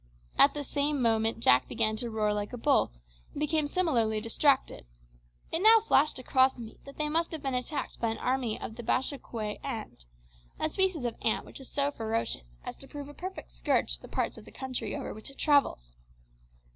At the same moment Jack began to roar like a bull, and became similarly distracted. It now flashed across me that they must have been attacked by an army of the Bashikouay ant, a species of ant which is so ferocious as to prove a perfect scourge to the parts of the country over which it travels.